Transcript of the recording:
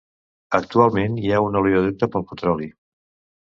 Actualment hi ha un oleoducte pel petroli.